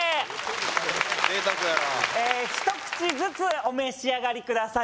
贅沢やな一口ずつお召し上がりください